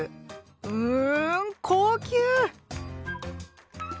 うん高級！